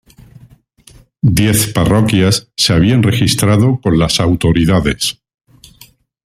Diez parroquias se habían registrado con las autoridades.